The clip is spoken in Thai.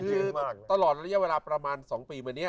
คือตลอดระยะเวลาประมาณ๒ปีมานี้